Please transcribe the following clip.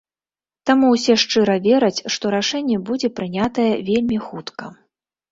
Таму ўсе шчыра вераць, што рашэнне будзе прынятае вельмі хутка.